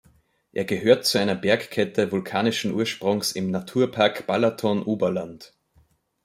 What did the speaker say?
Er gehört zu einer Bergkette vulkanischen Ursprungs im Naturpark Balaton-Oberland.